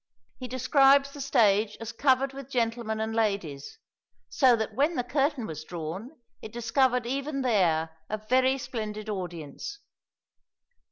He describes the stage as covered with gentlemen and ladies, "so that when the curtain was drawn it discovered even there a very splendid audience."